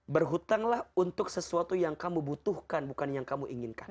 berhutanglah untuk sesuatu yang kamu butuhkan bukan yang kamu inginkan